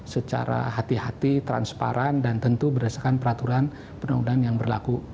secara hati hati transparan dan tentu berdasarkan peraturan perundang undangan yang berlaku